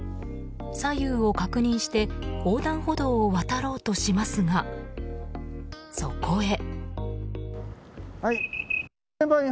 左右を確認して横断歩道を渡ろうとしますがそこへ。